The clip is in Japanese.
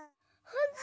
ほんと？